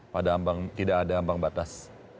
pada ambang tidak ada ambang batas